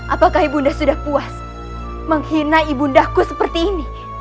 apakah ibu nda sudah puas menghina ibu ndaku seperti ini